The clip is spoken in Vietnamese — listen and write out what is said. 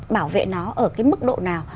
bảo vệ nó ở cái mức độ nào